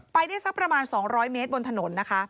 ไปได้สักประมาณ๒๐๐เมตรบนถนนนะคะ